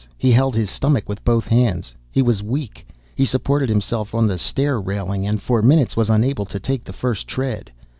He held his stomach with both hands. He was weak. He supported himself on the stair railing and for minutes was unable to take the first tread.